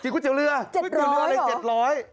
ก๋วยเตี๋ยวเรือเจ็ดร้อยเหรอเกือบเจ็ดร้อย